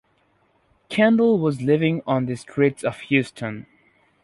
Kendall was living on the Streets of Houston.